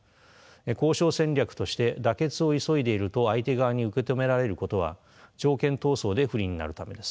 交渉戦略として妥結を急いでいると相手側に受け止められることは条件闘争で不利になるためです。